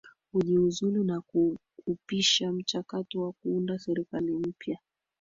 kujiuzulu na kuupisha mchakato wa kuunda serikali mpya